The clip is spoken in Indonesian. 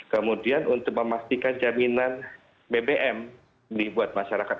kemudian untuk memastikan jaminan bbm dibuat masyarakat